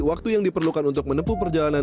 waktu yang diperlukan untuk menempuh perjalanan